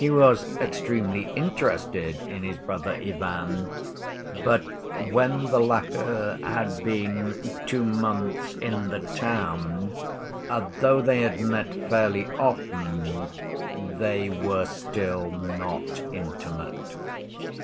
He was extremely interested in his brother Ivan, but when the latter had been two months in the town, though they had met fairly often, they were still not intimate.